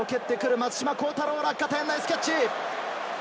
松島幸太朗、ナイスキャッチ！